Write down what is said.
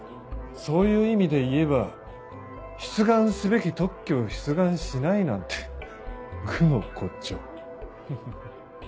そういう意味で言えば出願すべき特許を出願しないなんて愚の骨頂フフフ。